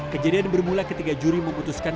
kejadian bermula ketika juri memutuskan